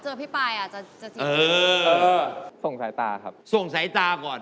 ไอ้ลิฟส์นี่เป็นคนรัก